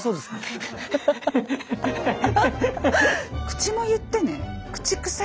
口も言ってね。